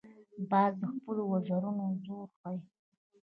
باز د خپلو وزرونو زور ښيي